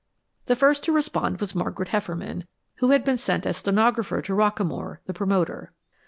The first to respond was Margaret Hefferman, who had been sent as stenographer to Rockamore, the promoter.